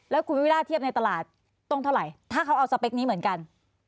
แล้วคุณวิราชเทียบในตลาดต้องเท่าไหร่ถ้าเขาเอาสเปคนี้เหมือนกัน